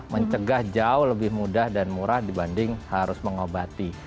mencegah jauh lebih mudah dan murah dibanding harus mengobati